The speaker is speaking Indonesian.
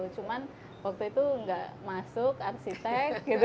cuman waktu itu nggak masuk arsitek gitu